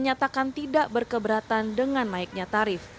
menyebutkan survei menyatakan tidak berkeberatan dengan naiknya tarif